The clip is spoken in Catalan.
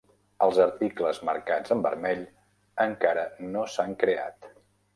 Els articles marcats en vermell encara no s'han creat.